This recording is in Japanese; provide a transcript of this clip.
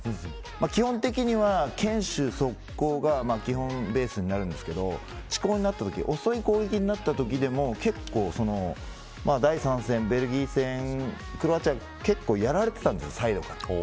基本的には、堅守速攻が基本、ベースになるんですけど遅い攻撃になったときでも結構、第３戦ベルギー戦クロアチアは結構やられてたんですサイドから。